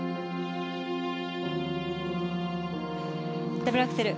ダブルアクセル。